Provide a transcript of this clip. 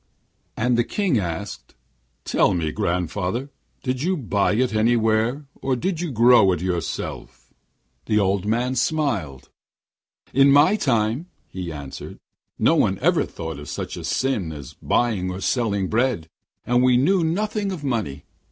And the King asked: 'Tell me, grandfather, did you buy it anywhere, or did you grow it all yourself?' The old man smiled. 'In my time,' he answered, 'no one ever thought of such a sin as buying or selling bread; and we knew nothing of money.